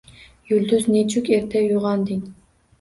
Yulduz, nechuk erta uyg`onding